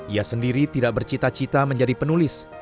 ia sendiri tidak bercita cita menjadi penulis